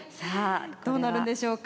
どうなるんでしょうか。